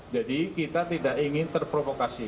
jadi kita tidak ingin terprovokasi